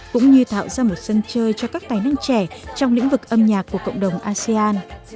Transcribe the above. cũng như tạo ra một sân chơi cho các tài năng trẻ trong lĩnh vực âm nhạc của cộng đồng asean